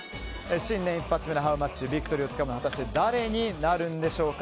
新年一発目のハウマッチビクトリーをつかむのは果たして誰になるんでしょうか。